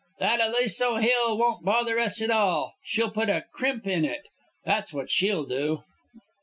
"That Aliso hill won't bother us at all. She'll put a crimp in it, that's what she'll do."